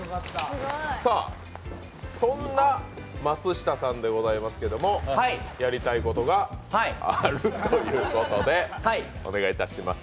そんな松下さんでございますけれども、やりたいことがあるということでお願いいたします。